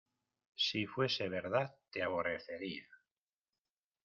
si fuese verdad, te aborrecería...